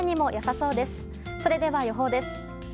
それでは、予報です。